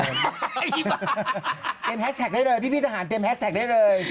เตรียมแฮชแท็กได้เลยพี่ทหารเตรียมแฮสแท็กได้เลย